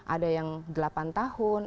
ada yang delapan tahun